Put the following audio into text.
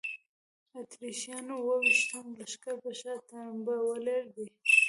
اتریشیانو اوه ویشتم لښکر په شا تنبولی دی.